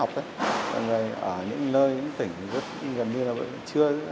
con đi làm đây